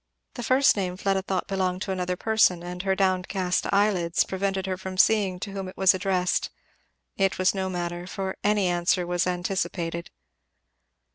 The first name Fleda thought belonged to another person, and her downcast eyelids prevented her seeing to whom it was addressed. It was no matter, for any answer was anticipated.